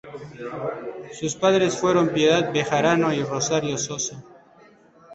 Sus padres fueron Piedad Bejarano y Rosario Sosa.